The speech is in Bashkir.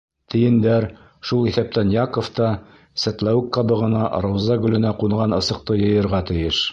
Тейендәр, шул иҫәптән, Яков та, сәтләүек ҡабығына рауза гөлөнә ҡунған ысыҡты йыйырға тейеш.